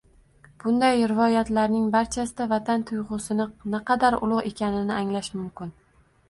Bunday rivoyatlarning barchasida vatan tuyg‘usini naqadar ulug‘ ekanligini anglash mumkin